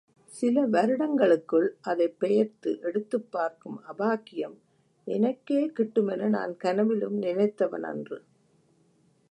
சில வருடங்களுக்குள் அதைப் பெயர்த்து எடுத்துப் பார்க்கும் அபாக்கியம், எனக்கே கிட்டுமென நான் கனவிலும் நினைத்தவனன்று!